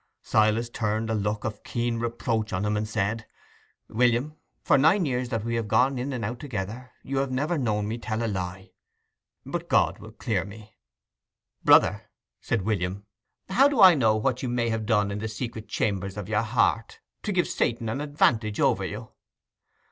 Silas turned a look of keen reproach on him, and said, "William, for nine years that we have gone in and out together, have you ever known me tell a lie? But God will clear me." "Brother," said William, "how do I know what you may have done in the secret chambers of your heart, to give Satan an advantage over you?"